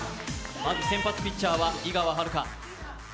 まず先発ピッチャーは井川遥。